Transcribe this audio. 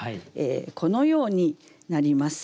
このようになります。